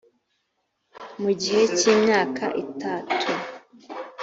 mu gihe cy imyaka itatu